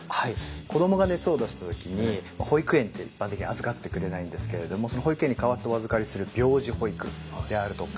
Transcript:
子どもが熱を出した時に保育園って一般的に預かってくれないんですけれどもその保育園に代わってお預かりする病児保育であるとか。